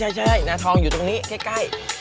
ใช่นาทองอยู่ตรงนี้ใกล้